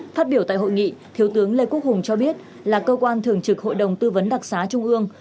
phát biểu tại hội nghị thiếu tướng lê quốc hùng cho biết là cơ quan thường trực hội đồng tư vấn đặc xá trung ương